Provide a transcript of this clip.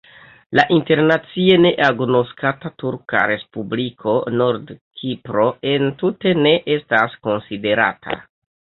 La internacie neagnoskata turka respubliko Nord-Kipro entute ne estas konsiderata.